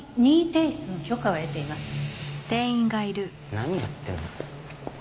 何やってんだ。